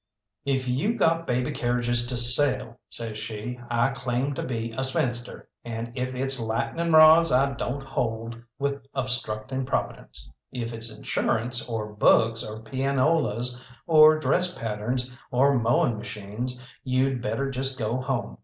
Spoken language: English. "If you got baby carriages to sell," says she, "I claim to be a spinster, and if it's lightning rods, I don't hold with obstructing Providence. If it's insurance, or books, or pianolas, or dress patterns, or mowing machines, you'd better just go home.